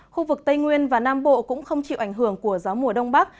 khu vực tây nguyên và nam bộ cũng không chịu ảnh hưởng của gió mùa đông bắc